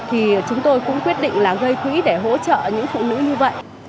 thì chúng tôi cũng quyết định là gây quỹ để hỗ trợ những phụ nữ như vậy